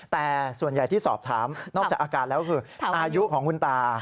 แต่ส่วนใหญ่ที่สอบถามนอกจากอาการแล้วคืออายุของคุณตา